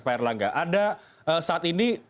pak erlangga ada saat ini